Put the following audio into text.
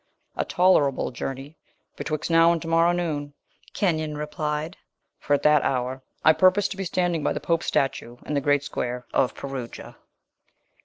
"A tolerable journey betwixt now and to morrow noon," Kenyon replied; "for, at that hour, I purpose to be standing by the Pope's statue in the great square of Perugia."